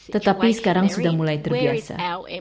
tetapi sekarang sudah mulai terbiasa